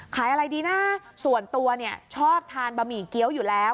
ขายอะไรดีนะส่วนตัวเนี่ยชอบทานบะหมี่เกี้ยวอยู่แล้ว